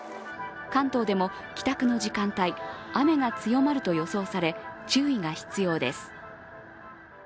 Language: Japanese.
関東でも帰宅の時間帯雨が強まると予想され注意が必要です。